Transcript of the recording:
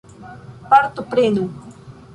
Partoprenu!